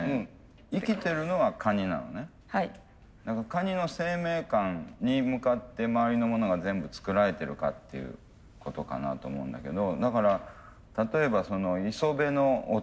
カニの生命感に向かって周りのものが全部作られているかっていうことかなと思うんだけどだから例えば磯辺の音みたいな感じ